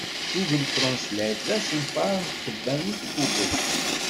Google Translate d asenfaṛ n tkebbanit Google.